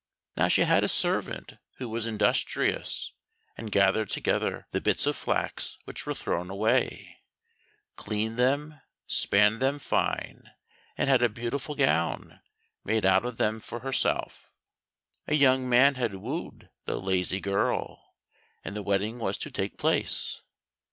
Now she had a servant who was industrious, and gathered together the bits of flax which were thrown away, cleaned them, span them fine, and had a beautiful gown made out of them for herself. A young man had wooed the lazy girl, and the wedding was to take place.